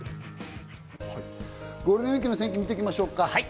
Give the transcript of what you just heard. ゴールデンウイークの天気、見ていきましょうか。